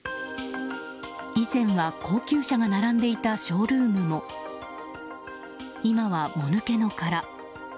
以前は高級車が並んでいたショールームも今は、もぬけの殻。